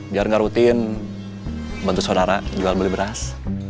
biar nggak rutin bantu saudara jual beli beras